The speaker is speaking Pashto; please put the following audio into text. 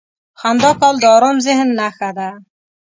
• خندا کول د ارام ذهن نښه ده.